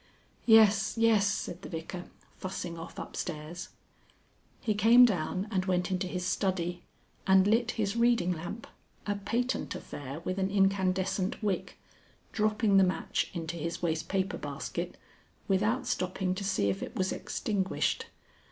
"Yes, yes," said the Vicar, fussing off upstairs. He came down and went into his study and lit his reading lamp, a patent affair with an incandescent wick, dropping the match into his waste paper basket without stopping to see if it was extinguished.